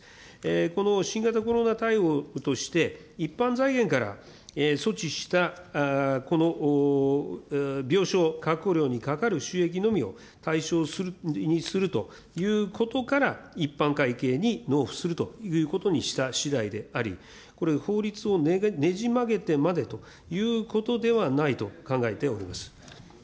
この新型コロナ対応として、一般財源から措置した、この病床確保料にかかる収益のみを対象にするということから、一般会計に納付するということにしたしだいであり、これ、法律を捻じ曲げてまでということではないと考えております。